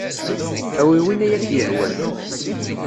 Awi win ay ak-yehwan.